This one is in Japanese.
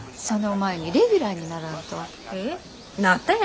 その前にレギュラーにならんと。